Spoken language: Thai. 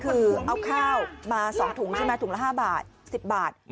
คือเอาข้าวมา๒ถุงใช่ไหมถุงละ๕บาท๑๐บาท